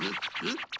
ん？